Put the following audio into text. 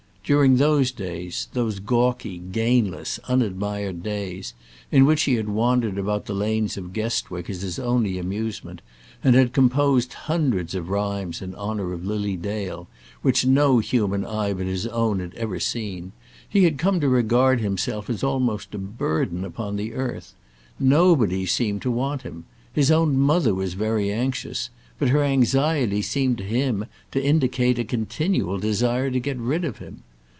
During those days, those gawky, gainless, un admired days, in which he had wandered about the lanes of Guestwick as his only amusement, and had composed hundreds of rhymes in honour of Lily Dale which no human eye but his own had ever seen, he had come to regard himself as almost a burden upon the earth. Nobody seemed to want him. His own mother was very anxious; but her anxiety seemed to him to indicate a continual desire to get rid of him.